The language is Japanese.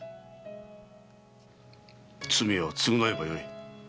罪は償えばよい。